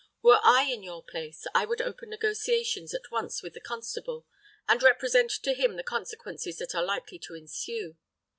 Were I in your place, I would open negotiations at once with the constable, and represent to him the consequences that are likely to ensue.